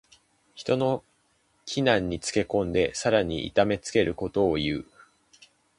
人の危難につけ込んでさらに痛めつけることをいう。